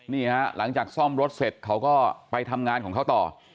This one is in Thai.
หลังจากซ่อมรถเสร็จเขาก็ไปทำงานของเขาต่อ